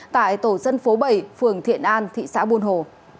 tại tổ dân phố bảy phường thiện an thị xã buôn hồ